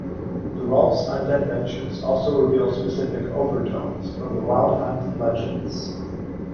Thorolf's undead ventures also reveal specific overtones from the Wild Hunt legends.